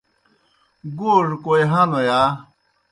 گوڙ کوئے ہنوْ یا؟